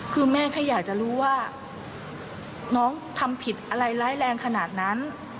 คือแม่แค่อยากจะรู้ว่าน้องทำผิดอะไรร้ายแรงขนาดนั้น